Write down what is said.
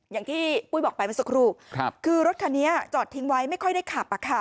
อย่างที่ปุ้ยบอกไปเมื่อสักครู่คือรถคันนี้จอดทิ้งไว้ไม่ค่อยได้ขับ